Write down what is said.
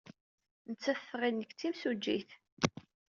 Nettat tɣil nekk d timsujjit.